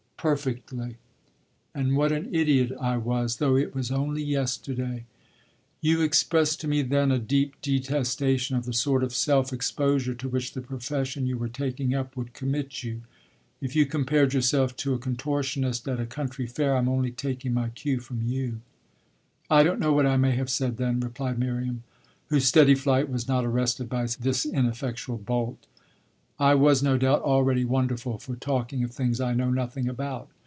"Perfectly, and what an idiot I was, though it was only yesterday!" "You expressed to me then a deep detestation of the sort of self exposure to which the profession you were taking up would commit you. If you compared yourself to a contortionist at a country fair I'm only taking my cue from you." "I don't know what I may have said then," replied Miriam, whose steady flight was not arrested by this ineffectual bolt; "I was no doubt already wonderful for talking of things I know nothing about.